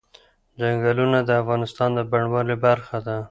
چنګلونه د افغانستان د بڼوالۍ برخه ده.